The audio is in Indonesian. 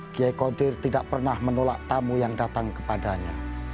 kiai kodir tidak pernah menolak tamu yang datang kepadanya